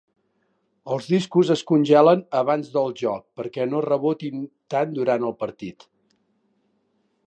Els discos es congelen abans del joc, perquè no rebotin tant durant el partit.